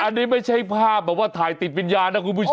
อันนี้ไม่ใช่ภาพแบบว่าถ่ายติดวิญญาณนะคุณผู้ชม